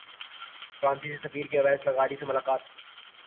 فرانسیسی سفیر کی اویس لغاری سے ملاقات